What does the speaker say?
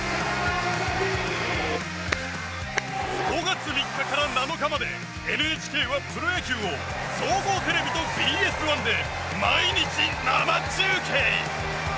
５月３日から７日までＮＨＫは、プロ野球を総合テレビとＢＳ１で毎日、生中継！